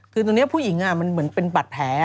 คือตรงนี้ผู้หญิงมันเหมือนเป็นบัตรแผล